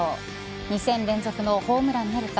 ２戦連続のホームランなるか。